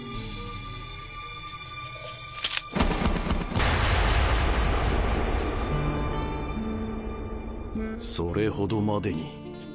銃声それほどまでに。